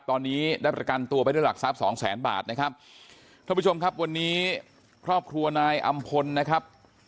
ตอนนี้ได้ประกันตัวไปด้วยหลักทรัพย์สองแสนบาทนะครับท่านผู้ชมครับวันนี้ครอบครัวนายอำพลนะครับ